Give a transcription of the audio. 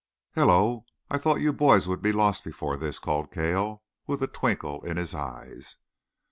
"Hello! I thought you boys would be lost before this," called Cale, with a twinkle in his eyes.